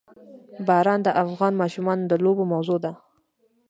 باران د افغان ماشومانو د لوبو موضوع ده.